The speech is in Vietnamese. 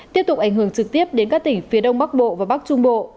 tiếp tục ảnh hưởng trực tiếp đến các tỉnh phía đông bắc bộ và bắc trung bộ